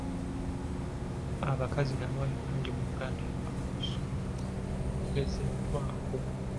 Abakazi n'abawala bangi mu Uganda abasobezebwako.